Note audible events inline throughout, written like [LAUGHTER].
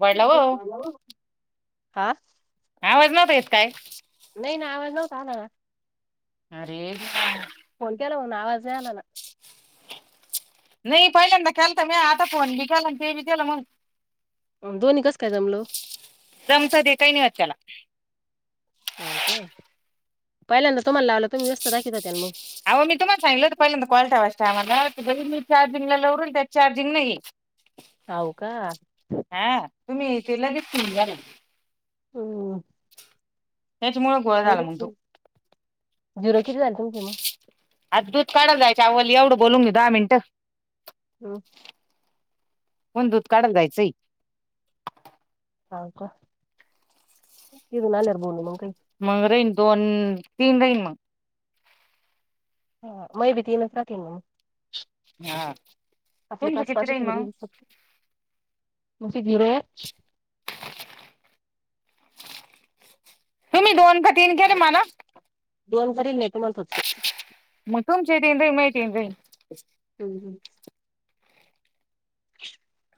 पडला हो [UNINTELLIGIBLE] हा आवाज नव्हता येत काय? नाही ना, आवाज नव्हता आला ना. अरे! [UNINTELLIGIBLE] फोन केला होता पण, आवाज नाही आला ना. नाही पहिल्यांदा केलता, म्या आता फोन बी केला ते बी केला. अम दोन्ही कसं काय जमलं ओ? जमत की काय नाही होत त्याला. हो का, पहिल्यांदा तुम्हाला लावलं तुम्ही [UNINTELLIGIBLE] दाखवित होत्या ना मग. आवो मी तुम्हा सांगितलं होत, पहिल्यांदा कॉल ठेवायच्या टायमाला मी चार्जिंग ला लावुन त्यात चार्जिंग नाही. [UNINTELLIGIBLE] हाव का? हा तुम्ही ते [UNINTELLIGIBLE] हो. त्याच्यामुळ बो [UNINTELLIGIBLE] झिरो किती झाले तुमचे म? आज दूध काढत जायच्या अगोदर, एवढं बोलू घेवू दहा मिनिटं. हम्म, मला दूध काढला जायचंय. हाव का? तिकडून आल्यावर बोलू मग काय मग रहीन दोन तीन राहीन मग. हा, मै बी तीनचं [UNINTELLIGIBLE] म. हा. आपली तुमचं किती पाचपाचची राहीन थेरी मग येईल फक्त, मग ते झीरो तुम्ही दोन का तीन केले मला? दोन करीले तुम्हाला फक्त म तुमचेही तीन राहीन माये तीन राहीन. हूं हूं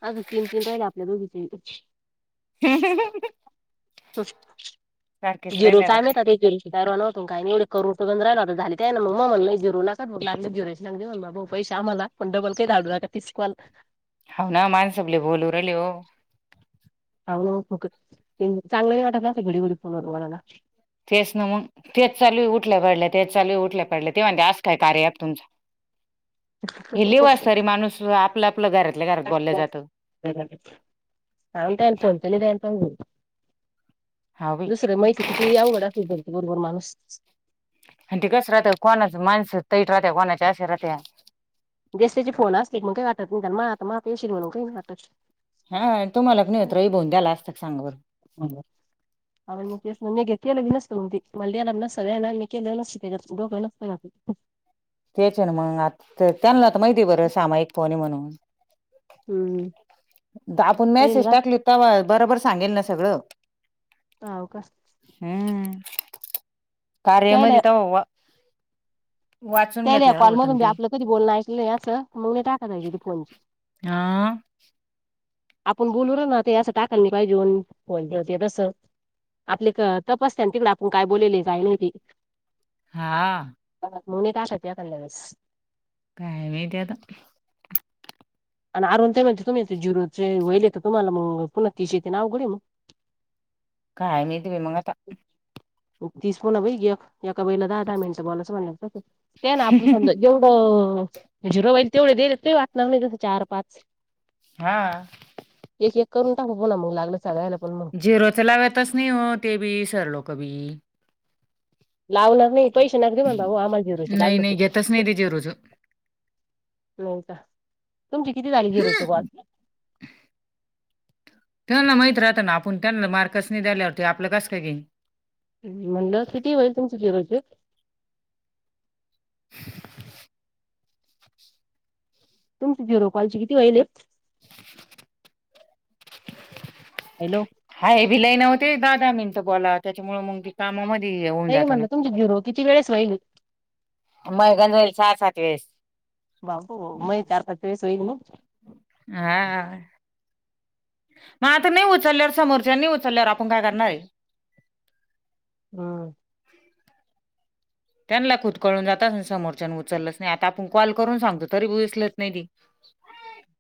अगं तीन तीन राहिले आपल्या दोघीचे [UNINTELLIGIBLE] सारखेच जिरू राहिले आता काय मिळतात एकेरी काय राहिला होतं न काय नाय एवढं करुन तर झाले ते आहे ना मग म्हणलं धीरू नकाग लाग जेरायग भाऊ पैसे आम्हाला पण डबल काय [UNINTELLIGIBLE] तीस कॉल हाव ना माणसं बी लय बोलू रायले ओ हाव ना मंग फुकट ते चांगलं नाय वाटत ना असं घडीघडी फोन वर बोलायला. तेच ना मंग तेच चालू उठल्या पडल्या तेच चालूय उठल्या पडल्या ते म्हणत्या असं काय कार्या ऍप तुमचं हे लिवासारी माणूस आपल्या आपल्या घरातल्या घरात बोलल जातं. हा ना त्याले फोन त नाय द्यायला पाहिजेल. हा बाई दुसरं माहिती किती अवघड असली बोलत बरोबर माणूस. आणि ते कस राहत कोणाच माणसं टाईट राहत्या कोणाचे अशे राहत्या. ज्यासे त्याचे फोन असले मग काय वाटत नाय कारण माआ आता मापीशी ये म्हणून काय नय वाटत. हा तुम्हला कणय रवि भाऊंनी द्याला असता का सांग बर. [UNINTELLIGIBLE] आपण मग तेच ना मी घेतलेलं बी नसत मंग ते मला देणार नसतं मी केलाय नसतं. [INAUDIBLE] तेच ना मग आ त्यांना आता माहिती बरं सामायिक फोन आहे म्हणून हम्म आपण येईल मेसेज का टाकली ना तवा बरोबर सांगेल ना सगळं. हाव का हम्म त्याला कार्यामध्ये तवा वा वाच त्यायला या कॉल मधून बी आपलं कधी बोलण ऐकेलं नाय असं मग मी टाकातये ती फोन ची हा आपण बोलू रांना ते असं टाकाय नाय पाहिजे [UNINTELLIGIBLE] तस आपले कं तपसत्या न तिकडे आपण काय बोललेले काय नाय ते हा मंग नाय टाकायचे एखाद्या वेळेस काय महिती आता आणि अरुण ते म्हणते तुम्ही झीरो चे वईले तर तुम्हाला मग पुन्हा तीस येतील अवघड ये मंग काय माहिती मंग आता तीस पुन्हा बाई ग एका बाईला दहा दहा मिनटं बोलाचं म्हणल्यावर कसं ते ना आपण समजा जेवढं ह जिरोईल तेवढे देले वाटणार नाय तसं चार पाच हा एक एक करून टाकू पुन्हा मंग लागचं झिरोच लावतच नाय हो ते बी सर लोक बी- लावणार नाही पैसे ना गते म्हण भाऊ आम्हाला झिरो ची नाही लागल तू नाही घेतच नाही ते झिरोच. हो का तुमची किती झाले झिरो कव कॉल [INAUDIBLE] त्यांना माहीत राहत ना आपण त्यांना मार्कस नाय द्याल्यावर ते आपलं कस काय घेईन म्हंणलं किती होयल तुमचे झिरो चे [INAUDIBLE] तुमची झिरो कॉलची किती होईले. हॅलो हाय भिलाई नव ते दहा दहा मिनटं बोला त्याच्यामुळ मग बी कामामध्ये होऊन नाही जात ना म्हणलं तुमची झिरो किती वेळेस होईल मैये [UNINTELLIGIBLE] जाईल सहा सात वेळेस बाबू मय चार पाच वेस होईल नई. हा. मग आता मी उचलल्यावर समोरच्यानी उचलल्यावर आपण काय करणारय. हम्म. त्यांनला खुदकळून जातच समोरच्यान उचललंच नाही, आता आपण कॉल करून सांगतो तरी बी उचलत नई ती.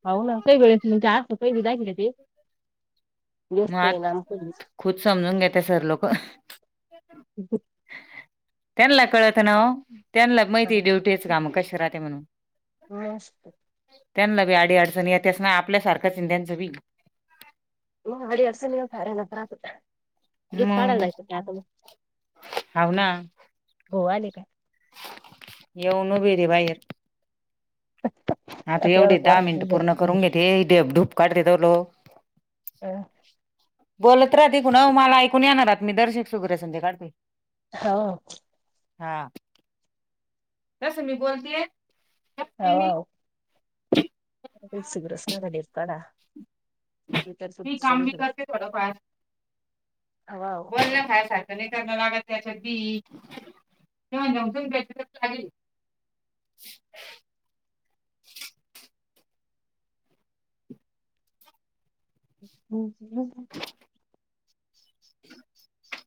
हाव ना, काही वेळत म्हणजे अस काही बी [UNINTELLIGIBLE] ते. व्यस्त मग आहे ना आमचं खुद समजून घेते सर लोक. [UNINTELLIGIBLE] त्यांनला कळत नव ओ? त्यांनला माहिती ड्युटीच काम कश राहत म्हणून. मस्त त्यांना बी आडी अडचणी येतच ना, आपल्यासारखंचाय त्याचं बी. म अडी अडचणी काढायचं लागत्यात. काढाय मग जायच की आता, हाव ना हो आले काय? येऊन [UNINTELLIGIBLE] [UNINTELLIGIBLE] आता एवढे एवढं दहा कॉल मिनिटं पूर्ण करून घेते. देव धूप काढते [UNINTELLIGIBLE] ह. बोलत राह तिकडून ओ, मला ऐकू नई येणार आहात मी दर [UNINTELLIGIBLE] संध्या काढते. होव. हा. कस मी बोलते हो. [UNINTELLIGIBLE] मी काम बी करते थोडं फार. वाव. खरं हाय [UNINTELLIGIBLE] नाही तर कराव लागत त्यासाठी. [UNINTELLIGIBLE] ह ह. [UNINTELLIGIBLE]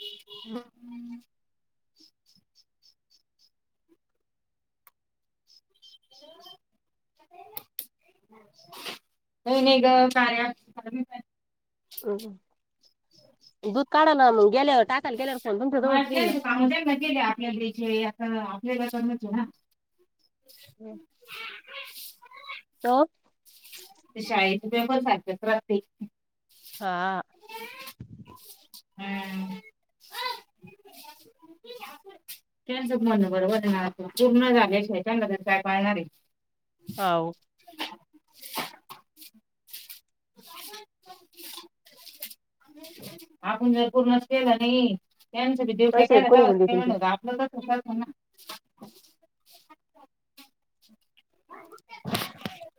अह हम, [UNINTELLIGIBLE] नाही नाही गं कार्याअँप अह, दूध काढायला गेल्यावर टाकायला गेल्यावर फोन तुमच्या जवळच माहिती राहील आहे ना की [UNINTELLIGIBLE] आपल्या घ्यायचीयं आता आपल्या [UNINTELLIGIBLE] आहे ना. अह, तो ते शाळेचे पेपर सारखेच राहते. हा. [UNINTELLIGIBLE] हम्म, [UNINTELLIGIBLE] त्यांच म्हणं बरोबर हाय पण, पूर्ण झाल्या शिवाय त्यांना तर काय पाळणार ये. हाव. [UNINTELLIGIBLE] आपण जर पूर्णचं केलं नाही त्यांच दिवट्या पैसे गला का कोणी बोलले म्हण, तुमचे आपलं तरत ना. [INAUDIBLE]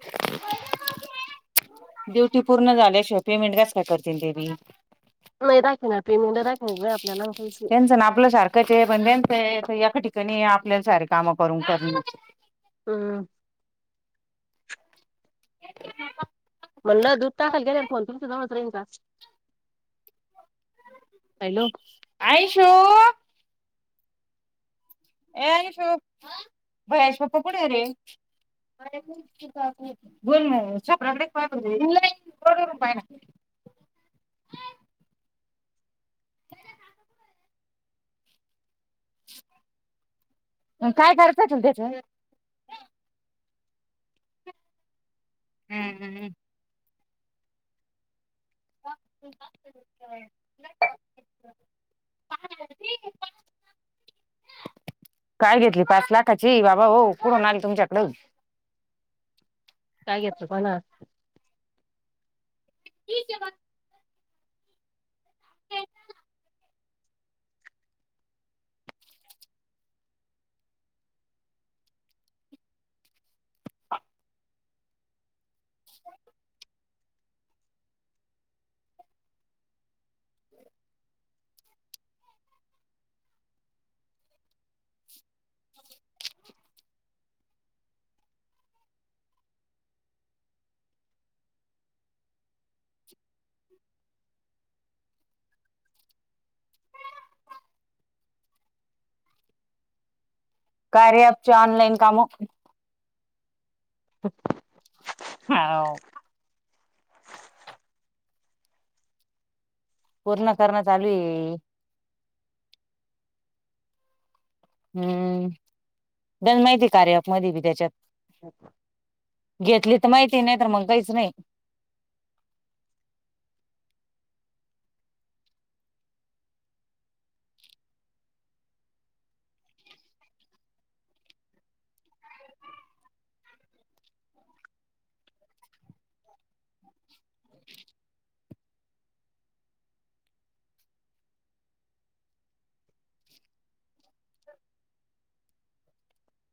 ड्युटी पूर्ण झाल्याशिवाय, पेमेंट कास काय करतील तेनी. नाही राखणार पेमंट राखयचय आपल्या चला आपला शार. बध्यांच एका ठिकाणी, आपल्याला सारे कामं करून करण हम. म्हणलं दूध टाकायल गेल, फोन च सुद्धा रिंग हॅलो. आयशो. ये आयश्यु भैयाचे पप्पा कुठे गेले रे. कडे पा [UNINTELLIGIBLE] काय करयचं असल त्याच. हम्म, हम. हम. [UNINTELLIGIBLE] [UNINTELLIGIBLE] काय घेतली, पाच लाखाची बाबा हो कुठन आली तुमच्याकड. काय घेतो तुम्हा ना. क ज [UNINTELLIGIBLE] [UNINTELLIGIBLE] कार्या ॲपची ऑनलाईन काम. अ [UNINTELLIGIBLE] हा. पूर्ण करणं चालू आहे. हम्म, बल माहिती कार्या ॲप मध्ये बी त्याच्यात. अच्छा. घेतली तर माहिती ये, नाही तर मग काहीच नाही. [UNINTELLIGIBLE]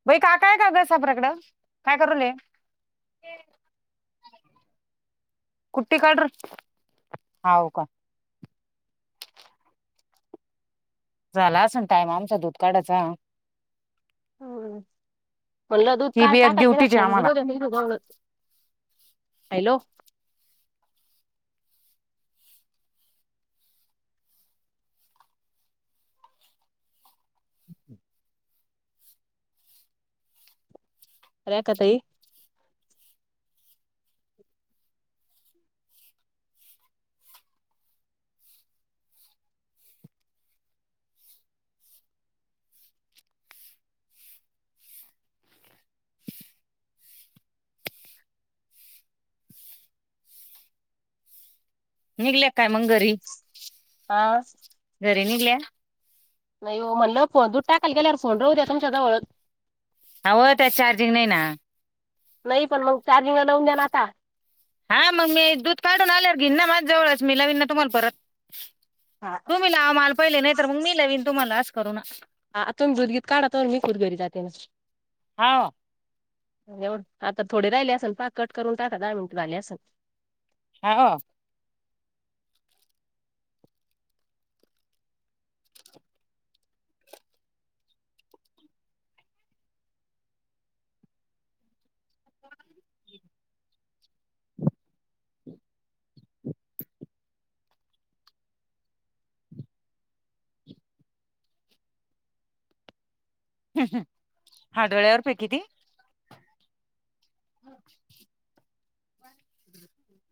बाई का काय-कास आपराकड काय करूले. कुठ्टी काढ र, होव का. झाला असन टाईम आमचा दूध काढायचा. हम्, म्हणलं दूध ती काय बी एक टाकाल ड्युटीची म्हणज आम्हाला दूधवड. हॅलो. हम [UNINTELLIGIBLE] रेखा ताई. निघले काय मंग घरी. हा. घरी निघल्या. नाही ओ म्हणलं फोन, दूध टाकायले गेल्या वर फोन राहू द्या तुमच्या जवळच. हव त्यात चार्जिंग नाही ना. नाही पण मग, चार्जिंगला लाऊन द्या ना आता. हा मग मी दूध काढून आल्यार घीन ना, माझ्या जवळच मी लावीन ना तुम्हाला परत. हां, हा. तुम्ही लाव माल पहिले, नाही तर मग मी लवीन तुम्हाला आच करू ना. हा तुमचं दूध-गीत काढा, मी कुद घरी जाते ना. हाव. एवढं आता थोडे राहिले असन पा कट करून टाका, दहा मिनिट झाले असन. हाव. हम्म हम्म हा डोळ्यावर फेकी ती. [UNINTELLIGIBLE] [INAUDIBLE]